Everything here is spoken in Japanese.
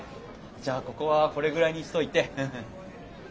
じゃあここはこれぐらいにしといて。